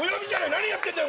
何やってんだよ？